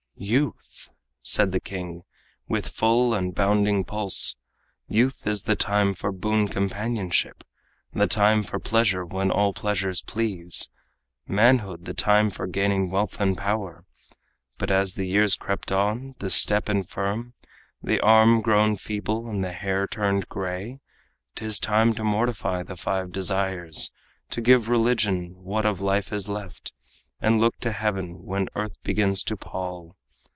"Youth," said the king, "with full and bounding pulse, Youth is the time for boon companionship, The time for pleasure, when all pleasures please; Manhood, the time for gaining wealth and power; But as the years creep on, the step infirm, The arm grown feeble and the hair turned gray, 'Tis time to mortify the five desires, To give religion what of life is left, And look to heaven when earth begins to pall.